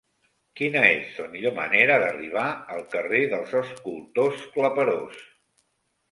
Quina és la millor manera d'arribar al carrer dels Escultors Claperós?